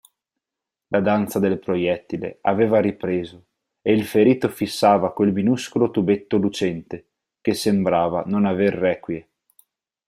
La danza del proiettile aveva ripreso e il ferito fissava quel minuscolo tubetto lucente, che sembrava non aver requie.